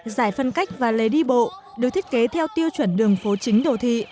dài phân cách và lề đi bộ được thiết kế theo tiêu chuẩn đường phố chính đầu thị